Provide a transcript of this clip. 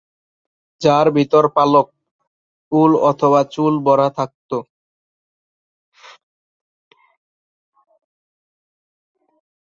যার ভিতর পালক, উল অথবা চুল ভরা থাকতো।